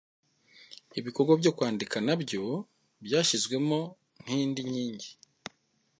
ibikorwa byo kwandika na byo byashyizwemo nk’indi nkingi